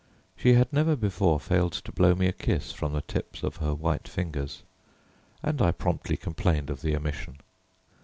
She had never before failed to blow me a kiss from the tips of her white fingers, and I promptly complained of the omission.